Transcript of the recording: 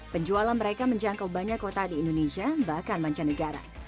penjualan mereka menjangkau banyak kota di indonesia bahkan mancanegara